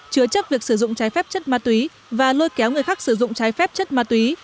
chứa chấp việc sử dụng trái phép chất ma túy và lôi kéo người khác sử dụng trái phép chất ma túy